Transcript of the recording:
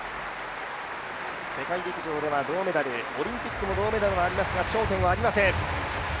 世界陸上では銅メダル、オリンピックでも銅メダルはありますが、頂点はありません。